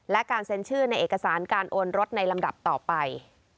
และการเซ็นชื่อในเอกสารการโอนรถในลำดับต่อไป